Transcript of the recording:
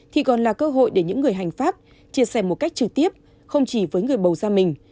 thì còn là cơ hội để những người hành pháp chia sẻ một cách trực tiếp không chỉ với người bầu ra mình